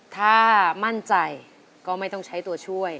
ถ้ามั่นใจก็ไม่ต้องใช้ตัวช่วย